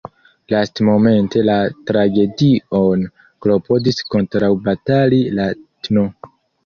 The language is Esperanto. Lastmomente la tragedion klopodis kontraŭbatali la tn.